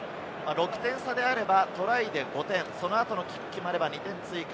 ６点差であればトライで５点、その後のキックが決まれば２点追加。